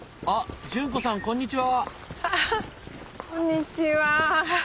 あっこんにちは。